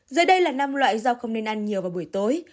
dưới đây là năm loại rau không nên ăn nhiều vào buổi tối